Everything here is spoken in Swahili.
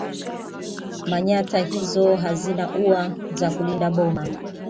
Manyatta hizo hazina ua za kulinda boma